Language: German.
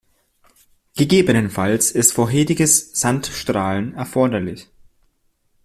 Gegebenenfalls ist vorheriges Sandstrahlen erforderlich.